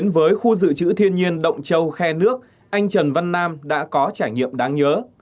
với khu dự trữ thiên nhiên động châu khe nước anh trần văn nam đã có trải nghiệm đáng nhớ